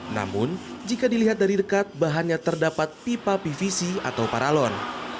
namun jika dilihat dari dekat bahannya terdapat pipa pvc atau paralon